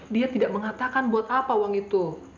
dia tidak mengatakan buat apa uang itu